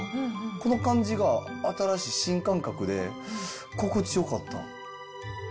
この感じが新しい新感覚で心地よかった。